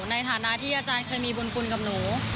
ในฐานะที่อาจารย์เคยมีบุญคุณกับหนู